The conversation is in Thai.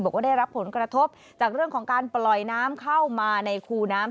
บอกว่าได้รับผลกระทบจากเรื่องของการปล่อยน้ำเข้ามาในคูน้ำ